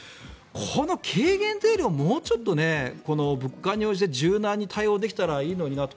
この軽減税率をもうちょっとこの物価に応じて柔軟に対応できたらいいのになと。